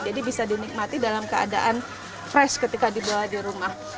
jadi bisa dinikmati dalam keadaan fresh ketika dibawa di rumah